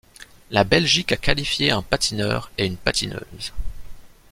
La Belgique a qualifié un patineur et une patineuse.